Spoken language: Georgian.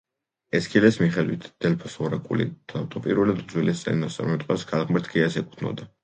ესქილეს მიხედვით, დელფოს ორაკული თავდაპირველად უძველეს წინასწარმეტყველს ქალღმერთ გეას ეკუთვნოდა.